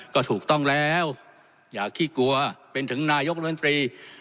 ก็ถูกต้องแล้วอย่าขี้กลัวเป็นถึงนายกรัฐมนตรี